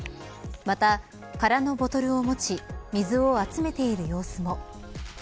また、空のボトルを持ち水を集めている様子も。